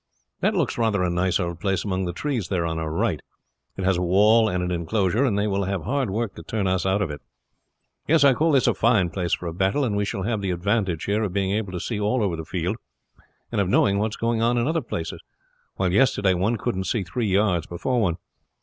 "That looks rather a nice old place among the trees there on our right. It has a wall and inclosure, and they will have hard work to turn us out of it. Yes, I call this a fine place for a battle; and we shall have the advantage here of being able to see all over the field and of knowing what is going on in other places, while yesterday one couldn't see three yards before one.